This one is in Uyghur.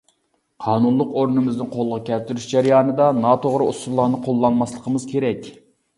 قانۇنلۇق ئورنىمىزنى قولغا كەلتۈرۈش جەريانىدا، ناتوغرا ئۇسۇللارنى قوللانماسلىقىمىز كېرەك.